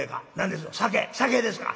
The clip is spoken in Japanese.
酒ですか？